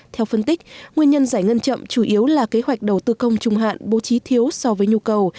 theo phân tích nguyên nhân giải ngân chậm chủ yếu là kế hoạch đầu tư công trung hạn bố trí thiếu so với nhu cầu